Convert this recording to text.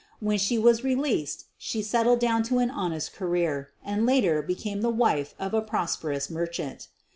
When she was re leased she settled down to an honest career and later became the wife of a prosperous merchant.